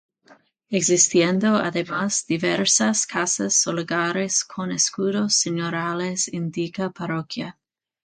Existiendo, además, diversas casas solariegas con escudos señoriales en dicha parroquia.